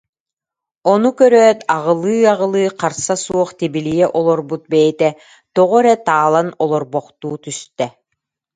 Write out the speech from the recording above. Ону көрөөт, аҕылыы-аҕылыы харса суох тибилийэ олорбут бэйэтэ тоҕо эрэ таалан олорбохтуу түстэ